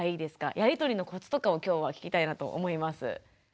やり取りのコツとかを今日は聞きたいなと思います。